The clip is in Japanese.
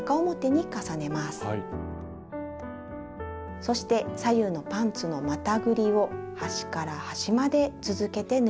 そして左右のパンツのまたぐりを端から端まで続けて縫います。